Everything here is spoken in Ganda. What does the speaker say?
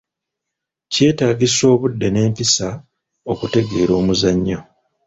Kyetaagisa obudde n'empisa okutegeera omuzannyo.